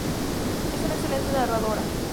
Es una excelente nadadora.